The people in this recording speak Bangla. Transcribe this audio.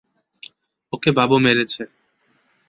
ওকে বাবু মেরেছে।